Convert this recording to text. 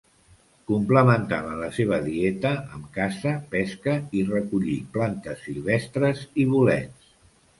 Complementaven la seva dieta amb caça, pesca, i recollir plantes silvestres i bolets.